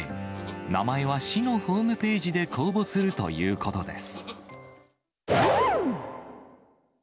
名前は市のホームページで公募するということです。